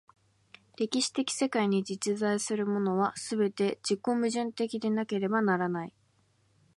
歴史的世界に実在するものは、すべて自己矛盾的でなければならない。